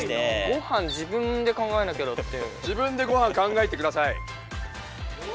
ごはん自分で考えなきゃだって。